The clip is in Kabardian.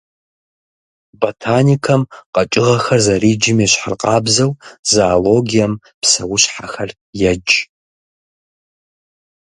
Ботаникэм къэкӏыгъэхэр зэриджым ещхьыркъабзэу, зоологием псэущхьэхэр едж.